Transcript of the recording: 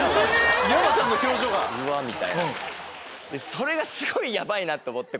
それがすごいヤバいなと思って。